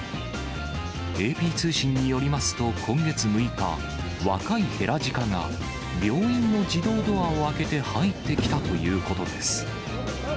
ＡＰ通信によりますと、今月６日、若いヘラジカが、病院の自動ドアを開けて入ってきたということです。